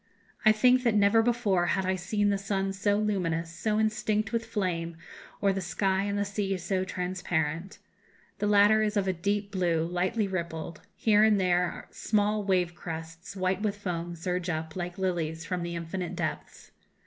I think that never before had I seen the sun so luminous, so instinct with flame, or the sky and the sea so transparent. The latter is of a deep blue, lightly rippled; here and there small wave crests, white with foam, surge up, like lilies, from the infinite depths.